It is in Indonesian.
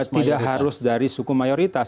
tidak harus dari suku mayoritas